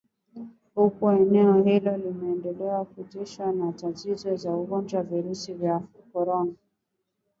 Huku eneo hilo likiendelea kutikiswa na tatizo la ugonjwa wa virusi vya korona